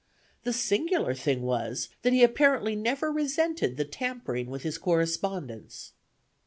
The singular thing was that he apparently never resented the tampering with his correspondence."